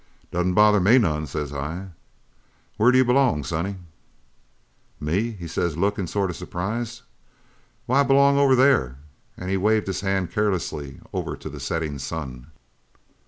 "'It doesn't bother me none,' says I. 'Where do you belong, sonny?' "'Me?' says he, lookin' sort of surprised, 'why, I belong around over there!' An' he waved his hand careless over to the settin' sun.